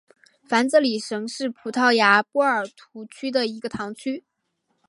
凡泽里什是葡萄牙波尔图区的一个堂区。